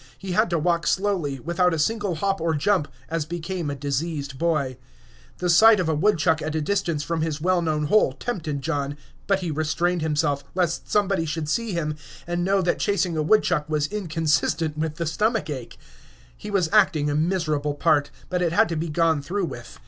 He had to walk slowly, without a single hop or jump, as became a diseased boy. The sight of a woodchuck at a distance from his well known hole tempted John, but he restrained himself, lest somebody should see him, and know that chasing a woodchuck was inconsistent with the stomach ache. He was acting a miserable part, but it had to be gone through with.